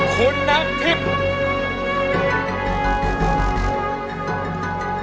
คุณนักทิพย์